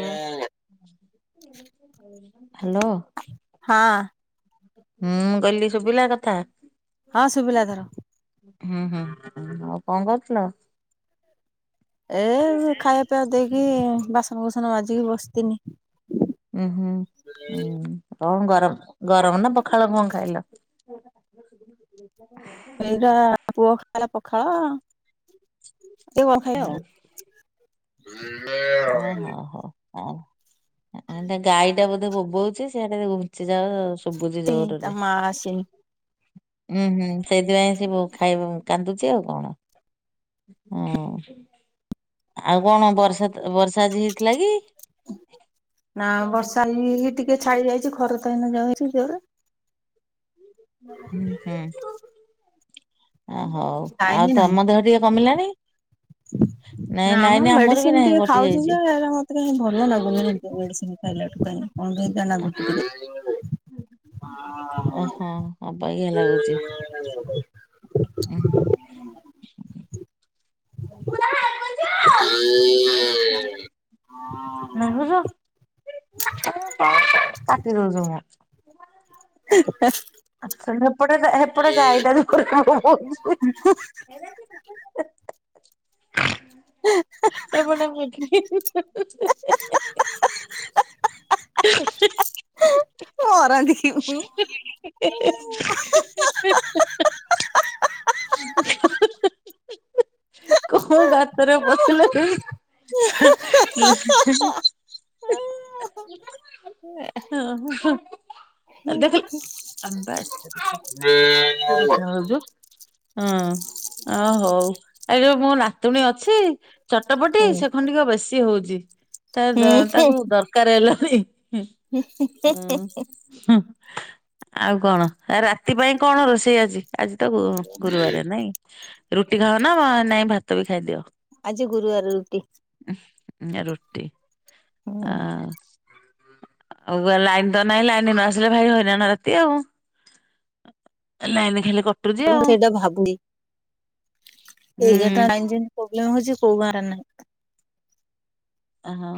Hello [inaudible] hello. ହଁ। ହୁଁ କହିଲି ଶୁଭିଲା କଥା। ହଁ ଶୁଭିଲା ଏଥର। ହୁଁ ହୁଁ ଆଉ କଣ କରୁଥୁଲ? ଏ ଖାଇବା ପିଇବା ଦେଇକି ବାସନ ବୁସନ ମାଜିକି ବସିତିନି। ଉଁ ହୁଁ ହୁଁ [unintelligible] ଗରମ ଗରମ ନା ପଖାଳ କଣ ଖାଇଲ? ଏଇଟା ପୁଅ ଖାଇଲା ପଖାଳ। ଟିକେ [inaudible] କଣ ଖାଇବେ ଆଉ ହୁଁ। [unintelligible] ଓ ହୋଉ ହୋଉ ଆଉ ହେଟା ଗାଈ ଟା ବୋଧେ ବୋବଉଚ ସିଆଡେ ଘୁଞ୍ଚି ଯାଅ ଶୁବୁଚି ତା ଜୋରରେ। ମା ଆସିନି ହୁଁ ହୁଁ ସେଇଥି ପାଇଁ ସେ ବୋ ଖାଇ କାନ୍ଦୁଚି ଆଉ କଣ। ହୁଁ। ଆଉ କଣ ବର୍ଷା ତ ବର୍ଷା ଆଜି ହେଇଥିଲା କି? ନା ବର୍ଷା ହେଇ ହେଇ କି ଟିକେ ଛାଡି ଯାଇଚି ଖରା ତ ଏଇନା ଜୋରେ ଜୋରେ। ହୁଁ ହୁଁ। ଅ ହୋଉ ଆଉ ଲାଇନ ତମ ଦେହ ଟିକେ କମିଲାଣି। ନାଇଁ ନାମ ଲାଇନ ଆମର ବି ମେଡିସିନ ନାହିଁ ଟିକେ କଟି ଖାଉଚି ଯାଇଛି ଯେ ହେରା ମତେ କାଇଁ ଭଲ ଲାଗୁନି [unintelligible] ମେଡିସିନ। ଖାଇଲାଠୁ ଖାଇଲା କଣ କେମିତିଆ ଲାଗୁଚି [unintelligible] [inaudible] ଓ ହଁ ଅବାଗିଆ ଲାଗୁଚି। [inaudible] ହୁଁ। [unintelligible] ନାଇ ମୁ ତ କାଟିଦଉଚି ମୁଁ। [unintelligible] ଏପଟେ ମିଥ ମରନ୍ତିଁ କି ମୁଁ। କୋଉ ଗାତରେ ପଶିଲେ ହଁ। ହୁଁ। କଥା ହଉଛୁ ହୁଁ ଆ ହଉ। ଏ ଯୋଉ ମୋ ନାତୁଣୀ ଅଛି ଚଟପଟି ହୁଁ ସେ ଖଣ୍ଡିକ ବେଶୀ ହଉଛି। ତା ହୁଁ ତାକୁ ଦରକାର ହେଲାନି ହଁ। ହୁଁ ଆଉ କଣ ରାତି ପାଇଁ କଣ ରୋଷେଇ ଆଜି। ଆଜି ତ ଗୁ ଗୁରୁବାର ନାଇଁ ରୁଟି ଖାଅ ନା ନାଇଁ ଭାତ ବି ଖାଇଦିଅ। ଆଜି ଗୁରୁବାର ରୁଟି। ହୁଁ ରୁଟି। ହୁଁ ଆ ଆଉ ଗ ଲାଇନ ତ ନାହିଁ ଲାଇନ ନ ଆସିଲେ ଭାରି ହଇରାଣ ରାତି ଆଉ। ନାଇ ନାଇ କ ମୁ ସେଇଟା ଭାବିଚି ଏଗାରଟା ହୁଁ। ଲାଇନ ପ୍ରୋବ୍ଲେମ୍ ହଉଛି କୋଉ ଗାଁ ରେ ନାହି। ହଁ।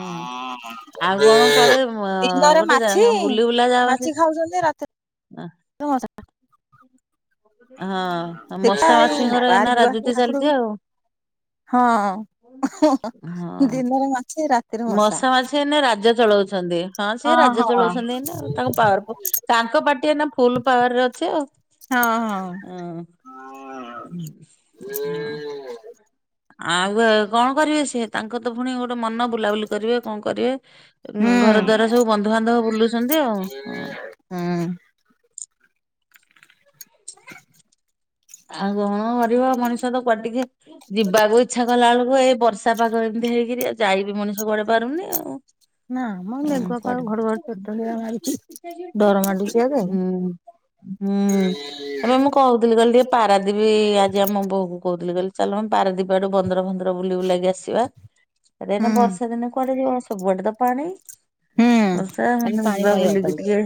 ଆଉ କଣ କୁଆଡେ ଦିନରେ ଗୋଟେ ମାଛି ଜାଗା ବୁଲି ବୁଲା ଯା ମାଛି ଭାରି। ଖାଉଛନ୍ତି ରାତିରେ ହଁ। ମଶା ହଁ ଦେଖା ମଶା ହେ ମାଛିଙ୍କର ଏଇନା ବାହାରି ଯିବା ରାଜୁତି ଠାକୁର ଚାଲିଛି ହଁ। ଆଉ ଓ ଦିନରେ ମାଛି ରାତିରେ ମଶା। ସେ ଏଇନେ ରାଜ୍ୟ ଚଳଉଛନ୍ତି ହଁ ସେ ରାଜ୍ୟ ଚଳଉଛନ୍ତି ଏଇନା ତାଙ୍କ ପାୱାର ଫୁଲ୍। ତାଙ୍କ ପାଟି ଆଉ ଫୁଲ୍ ପାୱାରରେ ଅଛି ଆଉ ହଁ। ହଁ। ଆଉ କଣ କରିବେ ସିଏ ତାଙ୍କ ତ ପୁଣି ଗୋଟେ ମନ ବୁଲାବୁଲି କରିବେ କଣ କରିବେ। ଉ ଘର ହୁଁ ଦ୍ଵାରା ସବୁ ବନ୍ଧୁବାନ୍ଧବ ବୁଲୁଛନ୍ତି ଆଉ ହ। ହଁ। ଆଉ କଣ କରିବ ମଣିଷ ତ କୁଆ ଟିକେ। ଯିବାକୁ ଇଚ୍ଛା କଲା ବେଳକୁ ଏଇ ବର୍ଷା ପାଗ ଏମିତି ହେଇକରି ଯାଇ ବିି ମଣିଷ କୁଆଡ଼େ ପାରୁନି ଆଉ। ନା ମ ହୁଁ ମେଘୁଆ ପାଗ କୁଆଡେ? ଘଡଘଡି ଚଡଚଡି ମାରୁଛି ଡର ମାଡୁଛି ଆଗେ ହୁଁ ଏବେ ମୁଁ କହୁଥିଲି କହିଲ ଟିକେ ପାରାଦୀପ ଆଜି ଆମ ବୋଉ କହୁ ବୁଲି ଗଲି ଚାଲମ ପାରଦୀପ ଆଡୁ ବନ୍ଦର ବନ୍ଦର ବୁଲ ବୁଲାଗି ଆସିବା। ଏଇନେ ହୁଁ। ବର୍ଷା ଦିନେ କୁଆଡେ ଯିବ ସବୁଆଡେ ତ ପାଣି। ହୁଁ। ବର୍ଷା ଖାଲି ନଯିବା ପାଣିମୟ ବୁଲି ଓପାଡି। ଟିକିଏ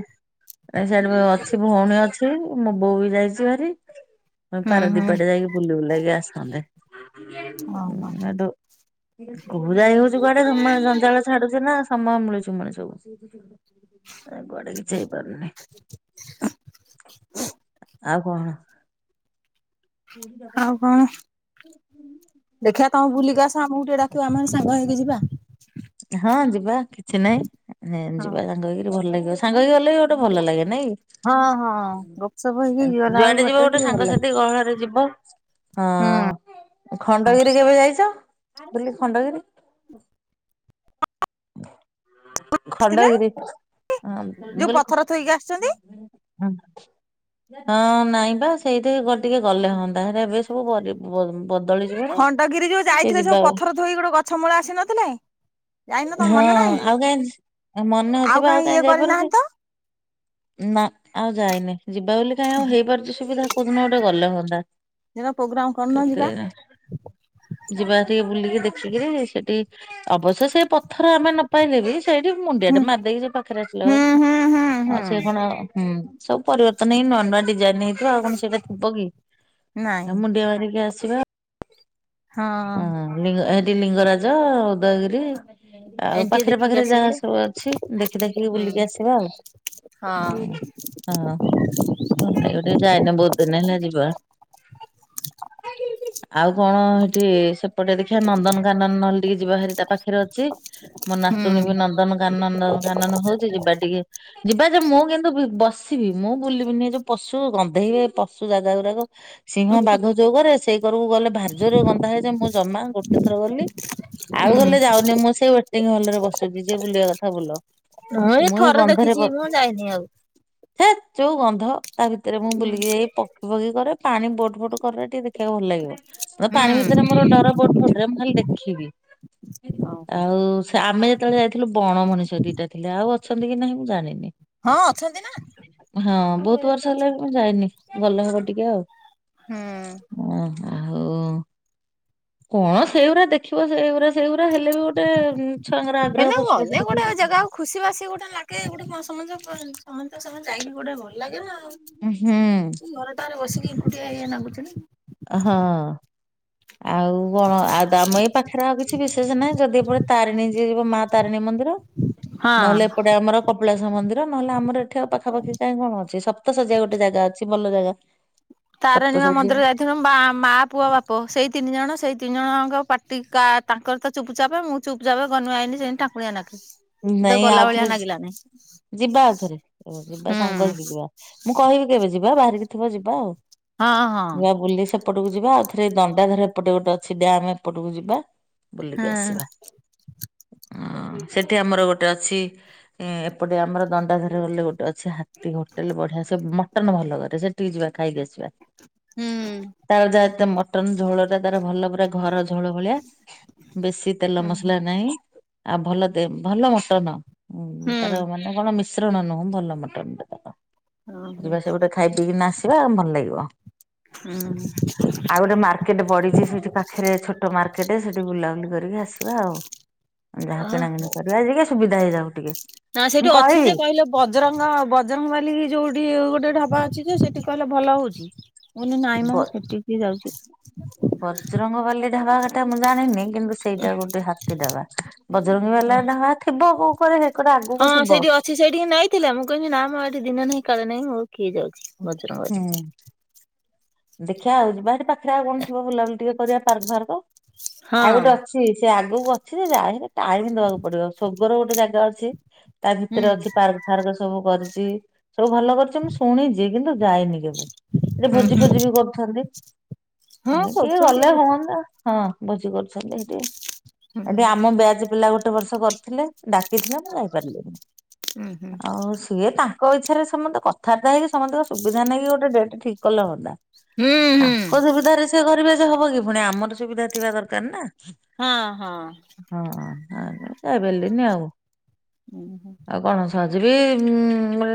ଏସାଡେବେ ହୁଁ ଅଛି। ଭଉଣୀ ଅଛି। ମୋ ବୋଉ ବି ଯାଇଚି ଭାରି। ହୁଁ। ପାରାଦୀପ ଆଡେ ଯାଇକି ବୁଲି ବୁଲାକି ଆସନ୍ତେ। ଓହୋ। ହେଠୁ କୋଉ ଯାଇ ହୋଉଚି କୁଆଡେ ଜମା ଜଞ୍ଜାଳ ଛାଡୁଚି ନା ସମୟ ମିଳୁଚି ମଣିଷକୁ ଏରା କୁଆଡେ କିଛି ହେଇପାରୁନି। [inaudible] ଆଉ କଣ? [inaudible] ଦେଖିଆ ତମେ ବୁଲିକି ଆସ ଆମକୁ ଟିକିଏ ଡାକିବ ଆମେ ସାଙ୍ଗ ହେଇକି ଯିବା। ହଁ ଯିବା କିଛି ନାଇଁ ମାନେ ଯିବା ସାଙ୍ଗ ହେଇକିରି ଭଲ ଲାଗିବ। ସାଙ୍ଗ ହେଇକି ଗଲେ ଭଲ ଲାଗେ ନାଇଁ। ହଁ ହଁ ଗପସପ ହେଇକି ଗଲା ବେଳକୁ ଯୁଆଡେ ଯିବ ବାଟରେ ଗୋଟେ ଟିକେ ଭଲ ଲାଗେ। ସାଙ୍ଗସାଥି ଗହଳରେ ଯିବ। ହୁଁ। ହଁ ଖଣ୍ଡଗିରି କେବେ ଯାଇଚ? ବୁଲି ଖଣ୍ଡଗିରି? ଆସିଥିଲେ ଖଣ୍ଡଗିରି ମୁଁ ଯୋଉ ପଥର ଥୋଇକି ଆସିଛନ୍ତି। କହିଲି ହଁ ହଁ ନାଇଁ ବା ସେଇଠି ଟିକିଏ ଗଲେ ହଅ ତାହେଲେ ଏବେ ସବୁ ବଦ ବଦଳିଯିବଣି ଟିକିଏ ଯିବା। ତୁଇ ଗୋଟେ ଗଛ ମୂଳ ଆସିନଥିଲେ? ହଁ ଆଉ କାଇଁ ମନେ ଅଛି ବା ଆଉ କାହିଁ କାଇଁ ଇଏ ଯାଇପାରୁଚୁ। କରିନାହାନ୍ତି ତ ନା ଆଉ ଯାଇନେ ଯିବା ବୋଲି କାଇଁ ଆଉ ହେଇପାରୁଚି ସୁବିଧା। କୋଉଦିନ ଗୋଟେ ଗଲେ ହୁଅନ୍ତା ଦିନ ପ୍ରୋଗ୍ରାମ କରୁନ କେତେ ଯିବା। ରାସ୍ତା ଯିବା ଟିକିଏ ବୁଲିକି ଦେଖିକିରି ସେଠି ଅବଶ୍ୟ ସେପଥ ଧର ଆମେ ନ ପାଇଲେ ବି ସେଇଠି ମୁଣ୍ଡିଆ ଟେ ହୁଁ ମାରିଦେଇକି ସେ ପାଖରେ ଆସିଲ, ହୁଁ ହୁଁ ହୁଁ ଆଉ ହୁଁ ସେ କଣ ହୁଁ ସବୁ ପରିବର୍ତ୍ତନ ହେଇ ନୂଆ ନୂଆ ଡିଜାଇନ ନେଇଥିବା ଆଉ କଣ ସେଇଟା ଥିବ କି ନାଇଁ ମୁଣ୍ଡିଆ ମାରିକି ଆସିବା। ହଁ। ହଁ ଲି ଏଠି ଲିଙ୍ଗରାଜ ଉଦୟଗିରି ଆଉ ଏମିତି ଟିକେ ପାଖରେ ଦେଖିକି ପାଖରେ ଯାହା ଆସିଯାନ୍ତେ ସବୁ ଅଛି ଦେଖି ଦେଖିକି ହୁଁ ବୁଲିକି ଆସିବା ଆଉ। ହଁ। ହଁ ବୁଲି ଗୋଟେ ଯାଇନେ ବୋହୁତ୍ ଦିନି ହେଲା ଯିବା। ଆଉ କଣ? ଠିକି ସେପଟେ ଦେଖିବା ନନ୍ଦନକାନନ ନହେଲେ ଟିକିଏ ଯିବା ଭାରି ତା ପାଖରେ ଅଛି। ମୋ ନାତୁଣୀ ବି ହୁଁ ନନ୍ଦନକାନନ ନନ୍ଦନକାନନ ହଉଚି ଯିବା ଟିକିଏ। ଯିବା ଯେ ମୁଁ କିନ୍ତୁ ବି ବସିବି ମୁଁ ବୁଲିବିନି ଏ ଯୋଉ ପଶୁ ଗନ୍ଧେଇବେ ପଶୁ ଜାଗା ଗୁରାକ। ସିଂହ ବାଘ ଯୋଉ ଘରେ ସେଇ କରକୁ ଗଲେ ଭାରିଯୋରରେ ଗନ୍ଧାଏ, ଯେ ମୁଁ ଜମା ଗୋଟେ ଥର ଗଲି। ଆଉ ହୁଁ। ଗଲେ ଯାଉନି ମୁଁ ସେଇ ୱେଟିଂ ହଲ ରେ ବସୁଛି ଯିଏ ବୁଲିବା କଥା ବୁଲ। ମୁଁ ଏଇ ଥରେ ଦେଖିଚି ମୁଁ ଯାଇନି ଆଉ। ହେତ୍ ଯୋଉ ଗନ୍ଧ ତା ଭିତରେ ମୁଁ ହୁଁ। ବୁଲିକି ଯାଇକି ପ ବୋଗି କରେ ପାଣି ବୋଟ ଫୋଟ ଗଲେ ଟିକିଏ ଦେଖିବାକୁ ଭଲ ଲାଗିବ। ପାଣି ସେଥିରେ ମୋର ଡର ବୋଟ ଫୋଟରେ ମୁଁ ଖାଲି ଦେଖିବି। ଓହୋ। ଆଉ ସେ ଆମେ ଯେତେବେଳେ ଯାଇଥିଲୁ ବଣ ମଣିଷ ଦିଟା ଥିଲେ। ଆଉ ଅଛନ୍ତି କି ନାହିଁ ମୁଁ ଜାଣିନି। ହଁ ଅଛନ୍ତି ନା ହଁ ସବୁ ବୋହୁତ୍ ଭେରାଇଟି ବର୍ଷ ହେଲା ଅଛନ୍ତି। ବି ମୁଁ ଯାଇନି। ଗଲେ ହବ ଟିକିଏ ଆଉ। ହୁଁ। ହଁ ଆଉ କଣ ସେଇଗୁରା ଦେଖିବ ସେଇଗୁରା। ସେଇଗୁରା ହେଲେ ବି ଗୋଟେ ଛୁଆଙ୍କର ଆଗ୍ରହ ହେଲେ ଗଲେ ପଶୁପକ୍ଷୀ ଗୋଟେ ଦେଖିବୁ। ଜାଗାକୁ ଖୁସି ବାସି ଗୋଟେ ଲାଗେ ଗୋଟେ ସମସ୍ତ ସମସ୍ତ ସାଙ୍ଗରେ ଯାଇକି ଗୋଟେ ରହ ଲାଗେ ନା ଆଉ ହଁ। ଘର ଟାରେ ବସିକି ଏକୁଟିଆ ଇଆ ନାଗୁଚି ନା। ହଁ ଆଉ କଣ? ଆଉ ଆମ ଏଇ ପାଖରେ ଆଉ କିଛି ବିଶେଷ ନାହିଁ, ଯଦି ଏପ ତାରିଣୀ ଯିଏ ଯିବ ମା ତାରିଣୀ ମନ୍ଦିର। ନ ହେଲେ ହଁ। ଏପଟେ ଆମର କପିଳାସ ମନ୍ଦିର। ନ ହେଲେ ଆମର ଏ ଏଠି ଆଉ ପାଖାପାଖି କାଇଁ କଣ ଅଛି? ସପ୍ତସଜ୍ୟା ଗୋଟେ ଜାଗା ଅଛି ଭଲ ଜାଗା। ସପ୍ତ ତାରେଣୀ ମା ଶଯ୍ୟା ମନ୍ଦିର ଯାଇଥବ। ମା ମା ପୁଅ ବାପ ସେଇ ତିନି ଜଣ ସେଇ ତିନି ଜଣଙ୍କ ପାଟି କା-ତାଙ୍କର ତ ଚୁପ୍ ଚାପ ମୁଁ ଚୁପଚାପେ ଗନୁ ଆଇନି ସେଇ ଟାଙ୍କୁଣିଆ ନାଖେ। ତ ନେଇଁ ଗଲା ଭଳିଆ ଆଉଥରେ ଲାଗିଲାନି ଯି-ଯିବା ଆଉଥରେ ଯିବା ହୁଁ ସାଙ୍ଗ ହେଇକି ଯିବା। ମୁଁ କହିବି କେବେ ଯିବା ବାହାରିକି ଥିବ ଯିବା ଆଉ? ହଁ ହଁ ନୂଆ ବୁଲି ସେ ଏପଟକୁ ଯିବା ଆଉ ଥରେ ଦଣ୍ଡାଧର ଏପଟେ ଗୋଟେ ଅଛି ଡ୍ୟାମ୍ ଏପଟକୁ ଯିବା। ବୁଲିକି ହଁ ଆସିବା। ସେଠି ଆମର ଗୋଟେ ଅଛି। ଏପଟେ ଆମର ଦଣ୍ଡାଧାର ଗଲେ ଗୋଟେ ଅଛି। ହା ହୋଟେଲ ବଢିଆ ସେ ମଟନ ଭଲ କରେ ସେଠିକି ଯିବା ଖାଇକି ଆସିବା। ହୁଁ। ତା [unintelligible] ମଟନ୍ ଝୋଳଟା ତାରା ଭଲ। ପୁରା ଘର ଝୋଳ ଭଳିଆ ବେଶି ତେଲ ମସଲା ନାହିଁ। ଆଉ ଭଲ ଭଲ ମଟନ। ତାର ହୁଁ। ମାନେ କଣ ମିଶ୍ରଣ ନୁହଁ। ଭଲ ମଟନଟା ତାର ଓହୋ। ଯିବା ସେ ଗୋଟେ ଖାଇ ପିଇକି ନା ଆସିବା ଭଲ ଲାଗିବ। ହୁଁ। ଆଉ ଗୋଟେ ମାର୍କେଟ ପଡିଛି। ସେଇଠି ପାଖରେ ଛୋଟ ମାର୍କେଟ। ସେଠି ବୁଲାବୁଲି କରିକି ଆସିବା ଆଉ। ଯାହା କିଣାକିଣି କରିବା ଆଜିକାଲି ସୁବିଧା ହେଇ [unintelligible] ଟିକେ ନା ସେଇଠି ମୁଁ ଅଛି ଯେ କହିବି। କହିଲେ ବଜରଙ୍ଗ ବଜରଙ୍ଗବାଲି ଯୋଉଠି ଗୋଟେ ଢାବା ଅଛି ଯେ ସେଠି କହିଲେ ଭଲ ହଉଛି। ନାଇଁ ମ ସେଟିକି କିଏ ଯାଉଛି? ବଜ୍ରଙ୍ଗବାଲି ଢାବା କଥା ମୁଁ ଜାଣିନି କିନ୍ତୁ ସେଇଟା ଗୋଟେ ହାତୀ ଡାବା। ବଜରଙ୍ଗୀ ବାଲା ଢାବା ଥିବ କୋଉକରରେ ହଁ ସେଇଠି ଅଛି ସେଇଠିକି ନେଇଥିଲା। ମୁଁ କହିଲି ନା ମୁଁ ଏଠି ଦିନେ ନାହିଁ କାଳେ ନାହିଁ ମୋର କିଏ ଯାଉଛି। ହୁଁ ବଜରଙ୍ଗବାଲି। ଦେଖିଆଉ ଯିବା ସେଠି ପାଖରେ ଆଉ କଣ ଥିବ ବୁଲାବୁଲି ଟିକେ କରିବା ପାର୍କ ଫାର୍କ। ଆଉ ହଁ। ଗୋଟେ ଅ ଛି। ସେ ଆଗକୁ ଅଛି ଯେ ଯାଇ ହେଲେ ଟାଇମ୍ ଦବାକୁ ପଡିବ। ସୋଗରେ ଗୋଟେ ଜାଗା ଅଛି। ତା ହୁଁ। ଭିତରେ ଅଛି ପାର୍କ ଫାର୍କ ସବୁ କରିଚି। ସବୁ ଭଲ କରିଛି ମୁଁ ଶୁଣିଛି କିନ୍ତୁ ଯାଇନି କେବେ? ହୁଁ ଭୋଜି ଭୋଜି ହୁଁ ବି କରୁଛନ୍ତି ହଁ କିଏ କରୁଛନ୍ତି ଗଲେ ଆଉ। ହୁଅନ୍ତା ହଁ ଭୋଜି କରୁଛନ୍ତି ହେଠି। ହୁଁ ଏଠି ହୁଁ ଆମ ବ୍ୟାଜ୍ ପିଲା ଗୋଟେ ବର୍ଷ କରିଥିଲେ ଡାକିଥିଲେ ମୁଁ ଯାଇପାରିଲିନି। ହୁଁ ଆଉ ସିଏ ତା ତୋ ଇଚ୍ଛାରେ ସମତେ କଥାବାର୍ତା ହେଇକି ସମତଙ୍କ ସୁବିଧା ନେଇକି ଗୋଟେ ଡେଟ୍ ଠିକ୍ କଲେ ହଅନ୍ତା। ହୁଁ ହୁଁ। ତାଙ୍କ ସୁବିଧାରେ ସେ କରିବେ ସେ ହବକି? ପୁଣି ଆମର ସୁବିଧା ଥିବା ଦରକାର ନା। ହଁ ହଁ। ହଁ ହଁ ଯାଇ ପାରିଲିନି ଆଉ। ଆଉ କଣ ମଝିରେ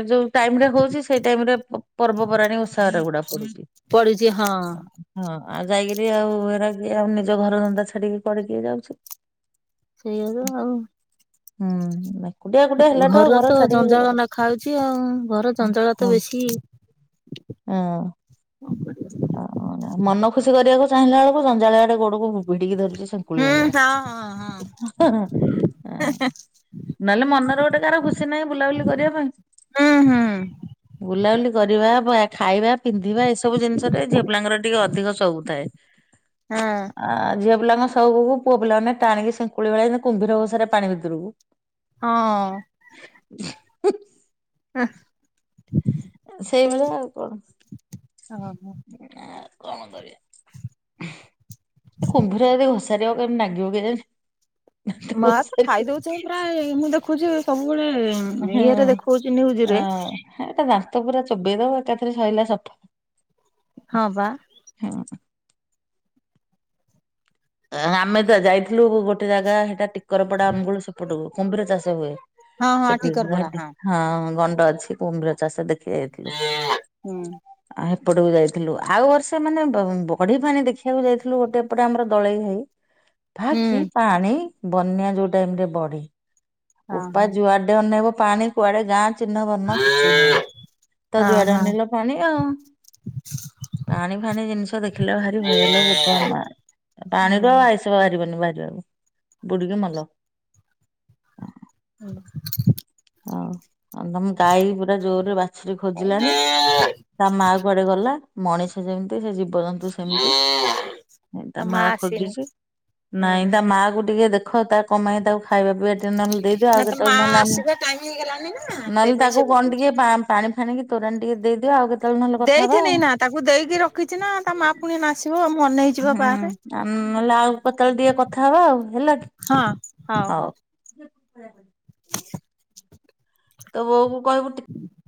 ଯୋଉ ଟାଇମରେ କଉଚି ସେଇ ଟାଇମରେ ପର୍ବପର୍ବାଣି ଓଷାବାର ଗୁଡା ପଡୁଚି। ପଡିଚି। ହଁ। ହଁ ଆଉ ଯାଇକିରି ଆଉ ଏରା କିଏ ଆଉ ନିଜ ଘର ଧନ୍ଦା ଛାଡିକି କୁଆଡେ କିଏ ଯାଉଛି। ସେଇଆ ବା ଆଉ। ହୁଁ ବା। ଘରେ ତ ଜଞ୍ଜାଳ ନା ଖାଉଛି ଆଉ। ଘରେ ଜଞ୍ଜାଳ ତ ବେଶି। ଉଁ। [inaudible] ହଉ ମନ ଖୁସି କରିବାକୁ ଚାହିଁଲା ବେଳକୁ ଜଞ୍ଜାଳ ଆଡେ ଗୋଡକୁ ବୁ ଭିଡିକି ଧରୁଛି ଶଙ୍କୁଳି ହୁଁ ହଁ ହଁ ହଁ। ଭଳିଆ। ନଲେ ମନରେ ଗୋଟେ କାହାର ଖୁସି ନାହିଁ ବୁଲାବୁଲି କରିବା ପାଇଁ। ହୁଁ ହୁଁ ବୁଲାବୁଲି କରିବା ଭ ଖାଇବା, ପିନ୍ଧିବା ଏସବୁ ଜିନିଷ୍ ରେ ଝିଅ ପିଲାଙ୍କର ଟିକେ ଅଧିକ ସଉକୁ ଥାଏ। ହାଁ! ଆ ଝିଅ ପିଲାଙ୍କ ସଉକୁକୁ ପୁଅ ପିଲାମାନେ ଟାଣିକି ସିଙ୍କୁଳି ଭଳିଆ କୁମ୍ଭୀରଘୋଷାରେ ପାଣି ଭିତରୁକୁ। ହଁ! ହ [inaudible] ଆଁ! ସେଇଭଳିଆ ଆଉ କଣ। [unintelligible] ଆଉ କଣ କରିବା। ଏ କୁମ୍ଭୀର ଯଦି ଘୋସାରିବ କେମିତି ନାଗିବ କେଜାଣି। ମା ତ ଖାଇଦଉଛି ମୁଁ ଘୋଷାରିବ ପ୍ରା ମୁଁ ଦେଖୁଛି ସବୁବେଳେ ଉମ୍- ହୁଁ ଇଏରେ ଦେଖଉଚି ନ୍ୟୁଜରେ। ହଁ ଏଟା ଦାନ୍ତ ପୁରା ଚୋବେଇ ଦବ ଏକାଥରେ ସରିଲା ସଫ। ହଁ ପା। ହଁ! ଆ ଆମେ ତ ଯାଇଥିଲୁ ଗୋଟେ ଜାଗା ସେଟା ଟିକରପଡା ଅନୁଗୁଳ ସେପଟକୁ କୁମ୍ଭୀର ଚାଷ ହୁଏ। ହଁ ହଁ ସେଠିଠ ଟିକର ପଡା [unintelligible] ହଁ ଗଣ୍ଡ ଅଛି କୁମ୍ଭୀର ଚାଷ ଦେ [unintelligible] ହୁଁ ଆ ଏପଟକୁ ଯାଇଥିଲୁ ଆଉ ବର୍ଷେ ମାନେ ବ ବଢି ପାଣି ଦେଖିବାକୁ ଯାଇଥିଲୁ ଗୋଟେ ଏପଟେ ଆମର ଦଳେଇ ହୋଇ ଭା ହୁଁ କି ପାଣି ବନ୍ୟା ଯୋଉ ଟାଇମରେ ବଢେ। ହଁ ଉପା ହଁ। ଯୁଆଡେ ଅନେଇବ ପାଣି କୁଆଡେ ଗାଁ ଚିହ୍ନବର୍ଣ୍ଣ କିଛି ନାହିଁ ତ ହଁ ଯୁଆଡେ ହଁ ଅନେଲ ପାଣି ଆଉ। ପାଣି ଫାନି ଜିନିଷ ଦେଖିଲେ ଭାରି ଭୟ ଲୋ ବୋପା ମା ପାଣିର ଆଇସ୍ ବାହାରିବନି ବାହାରିବାକୁ ବୁଡିକି ମଲ। [unintelligible] ହଉ ତମ ଗାଈ ପୁରା ଜୋରରେ ବାଛୁରି ଖୋଜିଲାନି। ତା ମା କୁଆଡେ ଗଲା। ମଣିଷ ଯେମ୍ତି ସେ ଜୀବଜନ୍ତୁ ସେମିତି। ତା ତୋ ମା ଆସିନି ଖୋଜୁଛି ନାଇଁ ହୁଁ ତା ମାକୁ ଟିକେ ଦେ ଆଖ ତା କମାଇ ତାକୁ ଖାଇବା ପିବା ଟିକେ [unintelligible] ଦେଇଦିଅ ନା ଆଉ ତୋ ମା କେତେବେଳେ ନହେଲେ [unintelligible] ଆସିବା ଟାଇମ ହେଇଗଲାଣି। ନା ନହେଲେ ସେଇପାଇଁ ସେ ତାକୁ କଣ ଭୋକଉଛି। ଟିକେ ପା ପାଣି ଫାଣିକି ତୋରାଣି ଟିକେ ଦେଇଦିଅ ଆଉ କେତ୍ ଦେଇଥିନି ନା ତାକୁ ଦେଇକି ରଖିଚି ନା ତା ମା ପୁଣି ଏଇନା ଆସିବ ମୁଁ ଅନେଇ ହୁଁ ଆ ନହେଲେ ଆଉକୁ କେତେବେଳେ ଟିକେ କଥା ହୋ ହେଲା କି। ହଁ ହଉ ହଉ। [unintelligible] ତ ବୋଉକୁ କହିବୁ ଟିକ୍ ହୁଁ